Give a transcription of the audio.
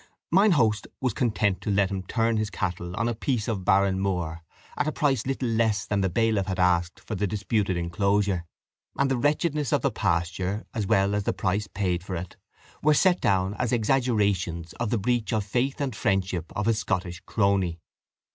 Mine host was content to let him turn his cattle on a piece of barren moor, at a price little less than the bailiff had asked for the disputed inclosure; and the wretchedness of the pasture, as well as the price paid for it, were set down as exaggerations of the breach of faith and friendship of his Scottish crony.